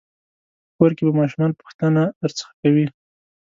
په کور کې به ماشومان پوښتنه درڅخه کوي.